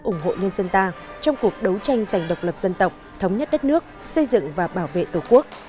ủng hộ nhân dân ta trong cuộc đấu tranh giành độc lập dân tộc thống nhất đất nước xây dựng và bảo vệ tổ quốc